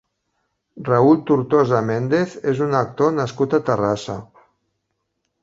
Raül Tortosa Méndez és un actor nascut a Terrassa.